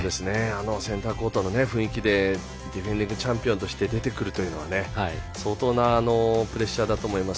センターコートの雰囲気でディフェンディングチャンピオンとして出てくるというのは相当なプレッシャーだと思います。